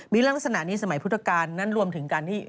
มีลักษณะนี้สมัยพุทธกาลนั้นรวมถึงการที่